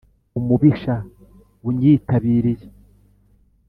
Umubisha unyitabiriye